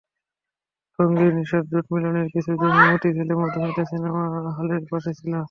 টঙ্গীর নিশাত জুট মিলের কিছু জমি মতিঝিলে মধুমিতা সিনেমা হলের পাশে ছিল।